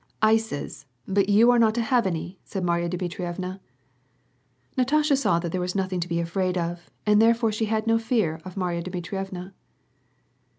"Ices; but you are not to have any," said Marya Dmi trievna. Natasha saw that there was nothing to be afraid of, and therefore she had no fear of Marya Dmitrievna.